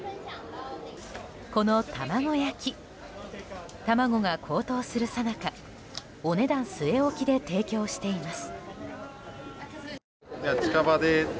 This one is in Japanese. この玉子焼卵が高騰するさなか、お値段据え置きで提供しています。